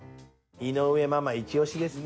井上ママイチオシですね。